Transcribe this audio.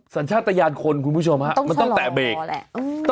สัญชาติยานคนคุณผู้ชมฮะมันต้องแตะเบรกนั่นแหละ